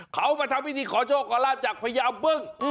เขามาทำพิธีขอโชคก็ล่าจากพระยาวบึง